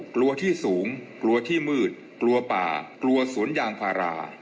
กลัวที่สูงกลัวที่มืดกลัวป่ากลัวสวนยางพารา